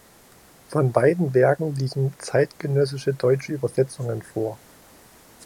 Von beiden Werken liegen zeitgenössische deutsche Übersetzungen vor.